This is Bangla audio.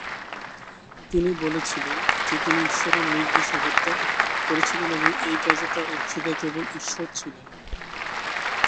তিনি বলেছিলেন, যে তিনি ঈশ্বরের নির্দেশে হত্যা করেছিলেন এবং এই কাজে তার অংশীদার কেবল ঈশ্বর ছিলেন।